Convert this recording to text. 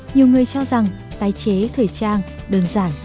nhiều người cho rằng tái chế thời trang đơn giản